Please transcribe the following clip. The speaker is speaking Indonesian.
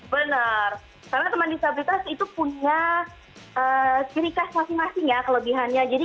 benar karena teman disabilitas itu punya ciri khas masing masing ya kelebihannya jadi